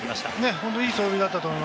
本当にいい走塁でした。